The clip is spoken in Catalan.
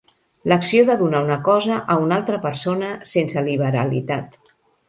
L'acció de donar una cosa a una altra persona sense liberalitat.